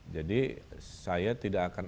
jadi saya tidak akan